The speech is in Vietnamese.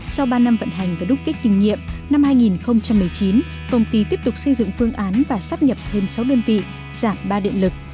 sau ba năm vận hành và đúc kết kinh nghiệm năm hai nghìn một mươi chín công ty tiếp tục xây dựng phương án và sắp nhập thêm sáu đơn vị giảm ba điện lực